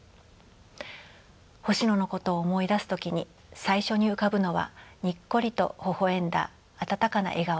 星野のことを思い出す時に最初に浮かぶのはにっこりとほほ笑んだ温かな笑顔です。